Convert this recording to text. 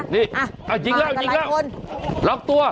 นี่กลายกลายกับหลายคนจิงแล้วจิงแล้ว